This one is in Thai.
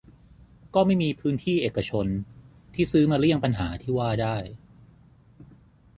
ก็ไม่มีพื้นที่เอกชน ที่ซื้อมาเลี่ยงปัญหาที่ว่าได้